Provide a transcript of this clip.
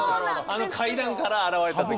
あの階段から現れた時。